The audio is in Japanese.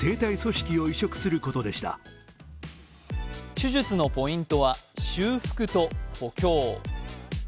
手術のポイントは修復と補強。